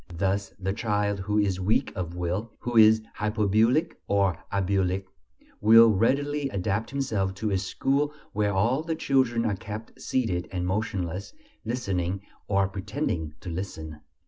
Thus the child who is weak of will, who is "hypobulic" or "abulic," will readily adapt himself to a school where all the children are kept seated and motionless, listening, or pretending to listen.